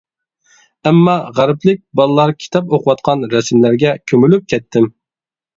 ئەمما غەربلىك بالىلار كىتاب ئوقۇۋاتقان رەسىملەرگە كۆمۈلۈپ كەتتىم.